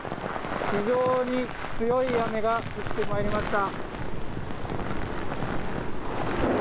非常に強い雨が降ってまいりました。